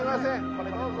これどうぞ。